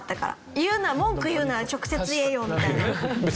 言うなら文句言うなら直接言えよみたいな。